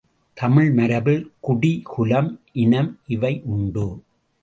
தமிழ் மரபில் குடி, குலம், இனம் இவை உண்டு.